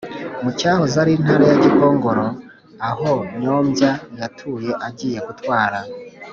mu cyahoze ari Intara ya Gikongoro aho Nyombya yatuye agiye gutwara.